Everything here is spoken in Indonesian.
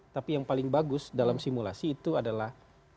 tapi yang paling bagus dalam simulasi itu adalah